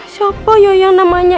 siapa ya yang namanya